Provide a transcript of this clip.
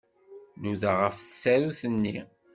Nudaɣ ɣef tsarut-nni.